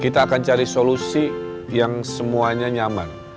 kita akan cari solusi yang semuanya nyaman